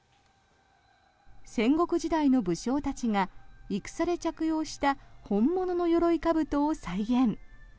戦国時代の武将たちが戦で着用した本物のよろいかぶとを再現。